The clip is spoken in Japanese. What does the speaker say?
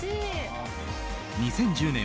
２０１０年